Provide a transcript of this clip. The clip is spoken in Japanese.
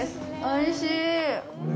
おいしい！